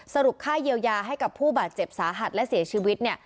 สรุปค่าเยียวยาให้กับผู้บาดเจ็บสาหัสและเสียชีวิตเนี่ย